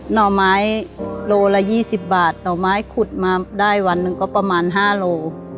หน่อไม้โลละยี่สิบบาทหน่อไม้ขุดมาได้วันหนึ่งก็ประมาณห้าโลละบาท